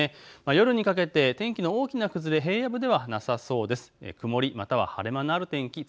夜にかけて天気の大きな崩れ、平野部ではなさそうです。